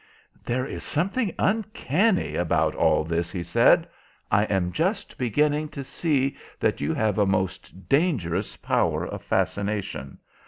"There is something uncanny about all this," he said. "I am just beginning to see that you have a most dangerous power of fascination.